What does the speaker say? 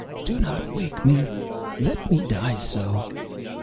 Do not wake me!—let me die so!"